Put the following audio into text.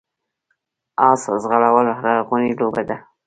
اس ځغلول لرغونې لوبه ده